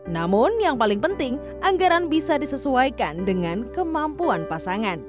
namun yang paling penting anggaran bisa disesuaikan dengan kemampuan pasangan